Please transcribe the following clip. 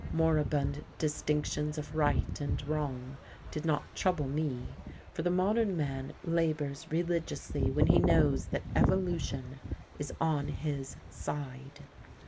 Moribund distinctions of right and wrong did not trouble me, for the modern man labours religiously when he knows that Evolution is on his side.